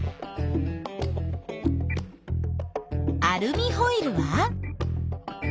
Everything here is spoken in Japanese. アルミホイルは？